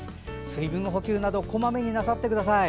水分補給などこまめになさってください。